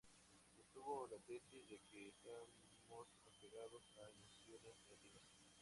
Sostuvo la tesis de que estamos apegados a emociones negativas.